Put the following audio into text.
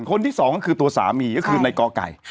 คนที่สองก็คือตัวสามีก็คือในกอไก่